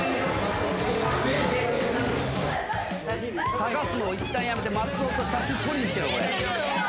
捜すのをいったんやめて松尾と写真撮りに行ってるわ。